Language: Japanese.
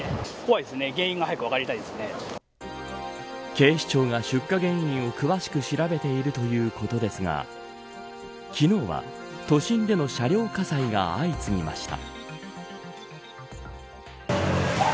警視庁が出火原因を詳しく調べているということですが昨日は、都心での車両火災が相次ぎました。